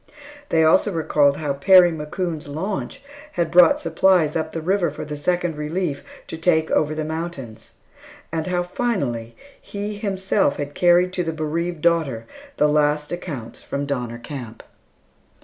They also recalled how Perry McCoon's launch had brought supplies up the river for the Second Relief to take over the mountains; and how finally, he himself had carried to the bereaved daughter the last accounts from Donner Camp.